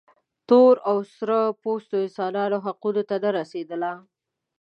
تور او سره پوستو انساني حقونو ته نه رسېدله.